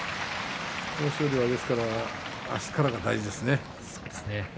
豊昇龍は、ですから明日からが大事です。